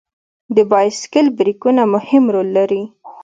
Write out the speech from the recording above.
د بایسکل بریکونه مهم رول لري.